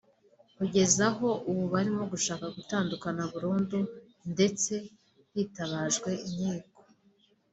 kugeza aho ubu barimo gushaka gutandukana burundu ndetse hitabajwe inkiko